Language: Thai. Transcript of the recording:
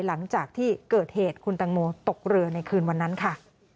หลังจากที่เกิดเหตุคุณตังโมตกเรือในคืนวันนั้นค่ะ